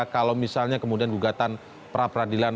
kalau misalnya kemudian gugatan pra peradilan